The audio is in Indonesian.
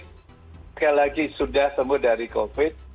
sekali lagi sudah sembuh dari covid